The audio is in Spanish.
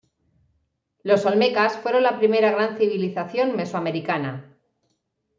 Los olmecas fueron la primera gran civilización mesoamericana.